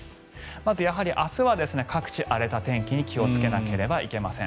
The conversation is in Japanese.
まず明日は各地荒れた天気に気をつけなければいけません。